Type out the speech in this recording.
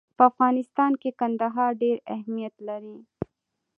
په افغانستان کې کندهار ډېر اهمیت لري.